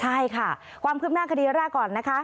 ใช่ค่ะความคลิบหน้าข้อคุณคุมหน้ารักก่อน